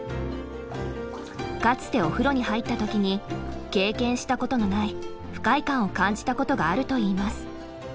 かつてお風呂に入った時に経験したことのない不快感を感じたことがあるといいます。